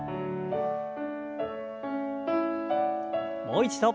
もう一度。